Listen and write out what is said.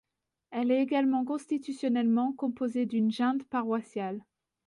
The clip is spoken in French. Elle est également constitutionnellement composée d'une junte paroissiale.